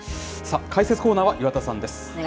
解説コーナーは岩田さんです。